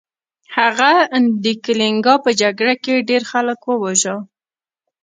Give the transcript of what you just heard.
هغه د کلینګا په جګړه کې ډیر خلک وواژه.